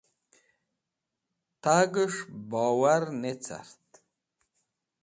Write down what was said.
Tagẽs̃h bowar ne cart.